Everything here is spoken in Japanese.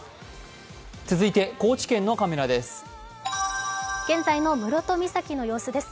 続いて高知県のカメラです。